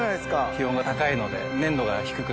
気温が高いので。